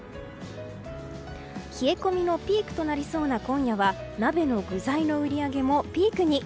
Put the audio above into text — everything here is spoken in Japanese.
冷え込みのピークとなりそうな今夜は鍋の具材の売り上げもピークに。